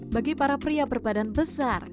bagi para pria berbadan besar